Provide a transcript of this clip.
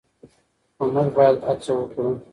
خو موږ باید هڅه وکړو.